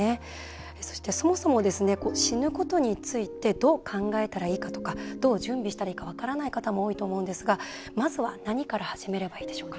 そしてそもそも死ぬことについてどう考えたらいいかとかどう準備したらいいか分からない方も多いと思うんですが何から始めればいいでしょうか。